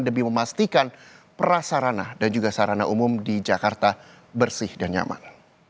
demi memastikan prasarana dan juga sarana umum di jakarta bersih dan nyaman